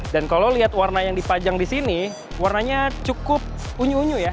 dan kalau dilihat warna yang dipajang di sini warnanya cukup unyu unyu ya